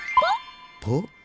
ポッ。